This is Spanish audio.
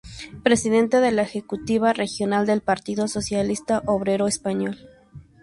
Presidente de la Ejecutiva Regional del Partido Socialista Obrero Español.